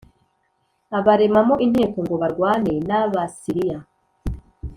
abaremamo inteko ngo barwane n Abasiriya